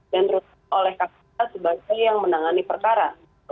dan terutama oleh kpk sebagai yang menangani perkara